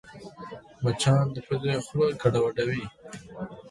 مچان د پوزې خوله ګډوډوي